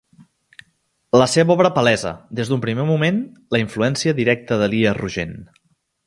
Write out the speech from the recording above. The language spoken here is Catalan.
La seva obra palesa, des d'un primer moment, la influència directa d'Elies Rogent.